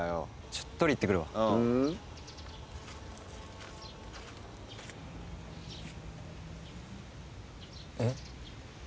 ちょっと取りに行ってくるわうんえっ？